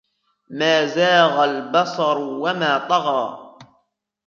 مَا زَاغَ الْبَصَرُ وَمَا طَغَى